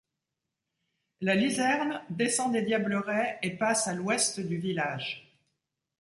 La Lizerne descend des Diablerets et passe à l'ouest du village.